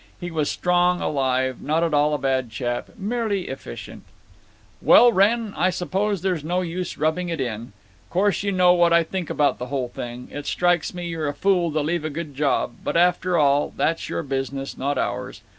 He was strong, alive, not at all a bad chap, merely efficient. "Well, Wrenn, I suppose there's no use of rubbing it in. Course you know what I think about the whole thing. It strikes me you're a fool to leave a good job. But, after all, that's your business, not ours.